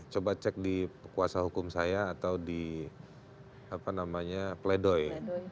coba cek di kuasa hukum saya atau di apa namanya pledoy